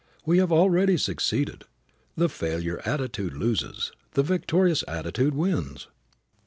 We have already succeeded. The failure attitude loses; the victorious attitude wins.